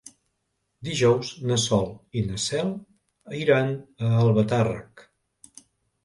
Dijous na Sol i na Cel iran a Albatàrrec.